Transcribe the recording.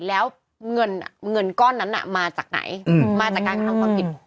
แล้วเงินก้อนนั้นมาจากไหนมาจากการกระทำความผิด